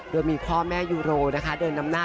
โดยมีพ่อแม่ยูโรนะคะเดินนำหน้า